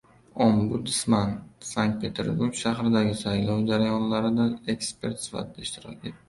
Ombudsman Sankt-Peterburg shahridagi saylov jarayonlarida ekspert sifatida ishtirok etdi